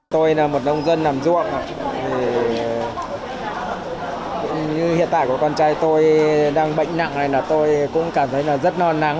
tôi là một nông dân nằm ruộng hiện tại con trai tôi đang bệnh nặng này tôi cũng cảm thấy rất non nắng